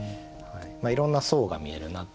いろんな層が見えるなっていう。